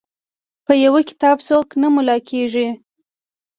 په یو کتاب څوک نه ملا کیږي.